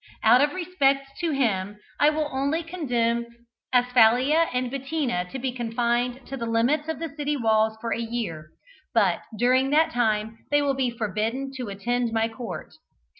Out of respect to him I will only condemn Asphalia and Bettina to be confined to the limits of the city walls for a year, and during that time they will be forbidden to attend my court.